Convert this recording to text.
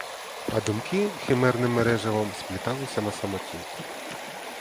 А думки химерним мереживом спліталися на самоті.